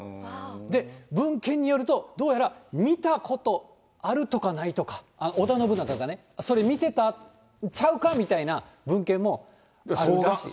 で、文献によると、どうやら、見たことあるとかないとか、織田信長がね、それ、見てたんちゃうかみたいな文献もあるらしい。